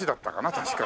確か。